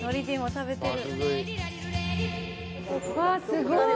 すごい。